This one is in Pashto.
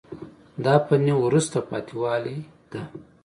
دا فني وروسته پاتې والی ده.